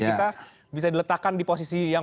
kita bisa diletakkan di posisi yang